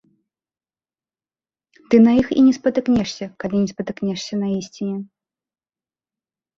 Ты на іх не спатыкнешся, калі не спатыкнешся на ісціне.